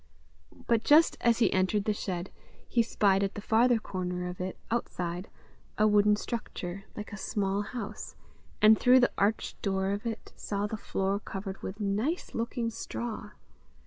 But just as he entered the shed, he spied at the farther corner of it, outside, a wooden structure, like a small house, and through the arched door of it saw the floor covered with nice looking straw.